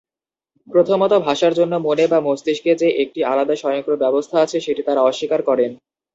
প্রথমত, ভাষার জন্য মনে বা মস্তিষ্কে যে একটি আলাদা স্বয়ংক্রিয় ব্যবস্থা আছে, সেটি তারা অস্বীকার করেন।